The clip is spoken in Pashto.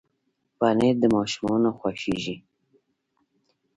پنېر د ماشومانو خوښېږي.